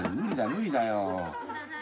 無理だよ。